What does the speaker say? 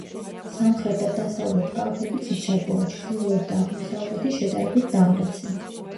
სამხრეთ და დასავლეთ კალთები ციცაბოა, ჩრდილოეთ და აღმოსავლეთი შედარებით დამრეცი.